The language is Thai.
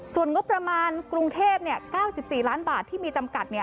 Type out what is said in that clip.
ส่วนงบประมาณกรุงเทพ๙๔ล้านบาทที่มีจำกัด